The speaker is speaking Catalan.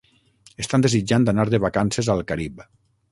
Estan desitjant anar de vacances al Carib.